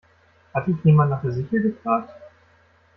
Hat dich jemand nach der Sichel gefragt?